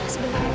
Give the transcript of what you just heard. sebentar ya pak